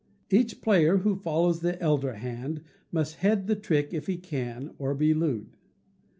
Each player who follows the elder hand must head the trick if he can, or be looed.